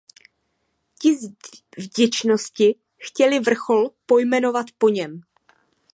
Ti z vděčnosti chtěli vrchol pojmenovat po něm.